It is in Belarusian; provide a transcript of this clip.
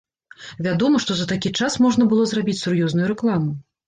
Вядома, што за такі час можна было зрабіць сур'ёзную рэкламу.